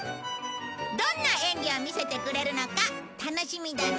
どんな演技を見せてくれるのか楽しみだね。